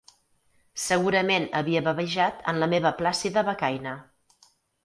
Segurament havia bavejat en la meva plàcida becaina.